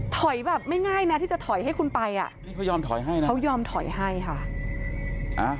ถอยแบบไม่ง่ายนะที่จะถอยให้คุณไปอ่ะนี่เขายอมถอยให้นะเขายอมถอยให้ค่ะ